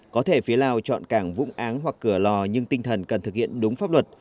có thể phía lào chọn cảng vũng áng hoặc cửa lò nhưng tinh thần cần thực hiện đúng pháp luật